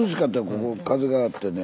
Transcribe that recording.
ここ風があってね。